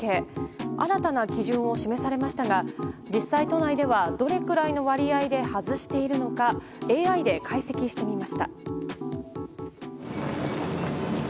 新たな基準を示されましたが実際、都内ではどれくらいの割合で外しているのかＡＩで解析してみました。